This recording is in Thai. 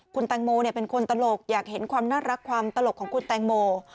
คุณแตงโมเป็นคนตลกอยากเห็นความน่ารักความตลกของคุณแตงโม